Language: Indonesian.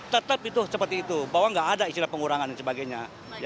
tetap itu seperti itu bahwa nggak ada istilah pengurangan dan sebagainya